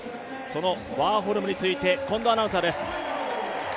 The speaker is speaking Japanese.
そのワーホルムについて近藤アナウンサーです。